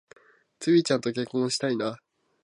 ツウィちゃんと結婚したいな